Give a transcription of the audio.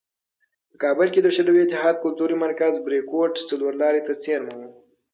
په کابل کې د شوروي اتحاد کلتوري مرکز "بریکوټ" څلورلارې ته څېرمه و.